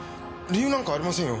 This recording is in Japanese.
理由なんかありませんよ。